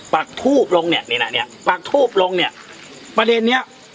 ปากทูบลงเนี่ยนี่น่ะเนี้ยปากทูบลงเนี่ยประเด็นเนี้ย